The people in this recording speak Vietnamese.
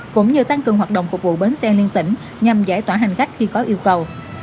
cũng như tăng cường hoạt động phục vụ bến xe liên tỉnh nhằm giải tỏa hành khách khi có yêu cầu